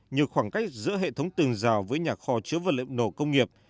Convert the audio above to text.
nhiều khoảng cách giữa hệ thống từng dào với nhà kho chứa vật liệu nổ công nghiệp